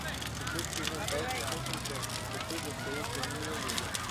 Depois que o jantar descanse um tempo? depois da ceia caminhe uma milha.